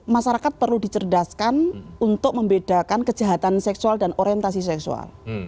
masyarakat perlu dicerdaskan untuk membedakan kejahatan seksual dan orientasi seksual